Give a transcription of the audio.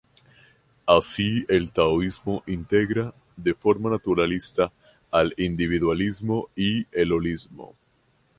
Así el taoísmo integra de forma naturalista al individualismo y el holismo.